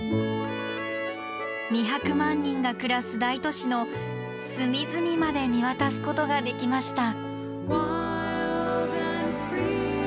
２００万人が暮らす大都市の隅々まで見渡すことができました。